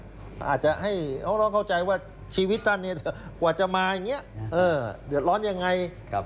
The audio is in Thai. อาจจะให้น้องเข้าใจว่าชีวิตท่านกว่าจะมาอย่างนี้เดือดร้อนยังไง